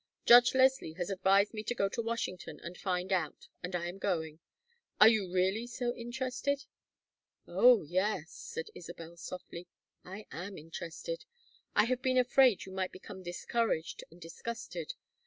Judge Leslie has advised me to go to Washington and find out, and I am going. Are you really so interested?" "Oh yes," said Isabel, softly. "I am interested! I have been afraid you might become discouraged and disgusted.